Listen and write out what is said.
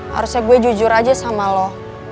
harusnya gue jujur aja sama lo